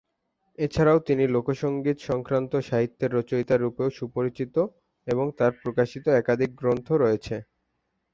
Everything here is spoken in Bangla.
এছাড়াও তিনি লোকসঙ্গীত সংক্রান্ত সাহিত্যের রচয়িতা রূপেও সুপরিচিত এবং তার প্রকাশিত একাধিক গ্রন্থ রয়েছে।